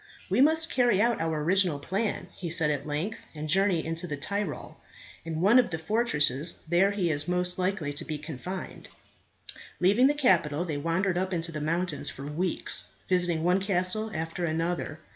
"We must carry out our original plan," he said at length, "and journey into the Tyrol. In one of the fortresses there he is most likely to be confined." Leaving the capital they wandered up into the mountains for weeks, visiting one castle after another.